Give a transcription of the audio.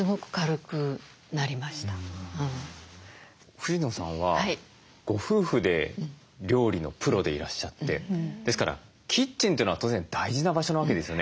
藤野さんはご夫婦で料理のプロでいらっしゃってですからキッチンというのは当然大事な場所なわけですよね。